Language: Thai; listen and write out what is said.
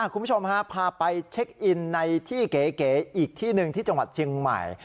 คุณผู้ชมฮะพาไปเช็คอินในที่เก๋อีกที่หนึ่งที่จังหวัดเชียงใหม่